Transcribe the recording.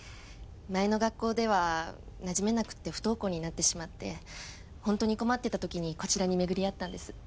前の学校ではなじめなくて不登校になってしまって本当に困ってた時にこちらに巡り合ったんです。